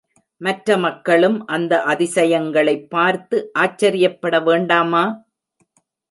மற்ற மக்களும் அந்த அதிசயங்களைப் பார்த்து ஆச்சரியப்பட வேண்டாமா?